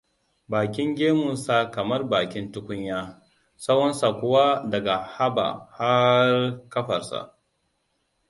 Bakin gemunsa kamar bakin tukunya, tsawonsa kuwa daga haba harzuwa kafarsa.